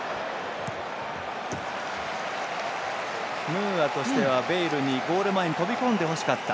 ムーアとしてはベイルにゴール前に飛び込んでほしかった